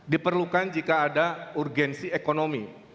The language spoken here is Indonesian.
diperlukan jika ada urgensi ekonomi